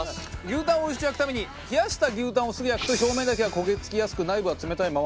牛タンをおいしく焼くために冷やした牛タンをすぐ焼くと表面だけが焦げ付きやすく内部は冷たいままに。